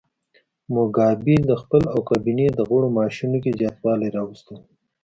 موګابي د خپل او کابینې د غړو معاشونو کې زیاتوالی راوستی و.